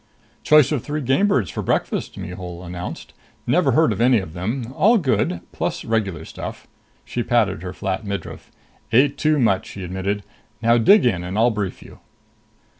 "Choice of three game birds for breakfast." Mihul announced. "Never heard of any of them. All good. Plus regular stuff." She patted her flat midriff. "Ate too much!" she admitted. "Now dig in and I'll brief you."